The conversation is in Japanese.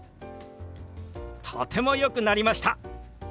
とてもよくなりました！